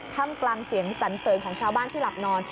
ทำกลางเสียงสันเสริญของชาวบ้านที่หลับนอน